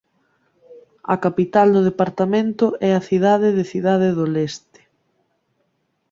A capital do Departamento é a cidade de Cidade do Leste.